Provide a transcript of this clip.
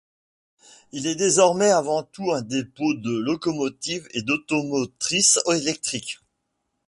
Il est désormais avant tout un dépôt de locomotives et d'automotrices électriques.